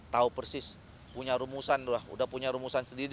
tahu persis punya rumusan lah udah punya rumusan sendiri